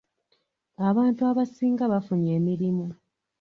Abantu abasinga bafunye emirimu.